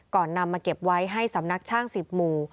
นำมาเก็บไว้ให้สำนักช่าง๑๐หมู่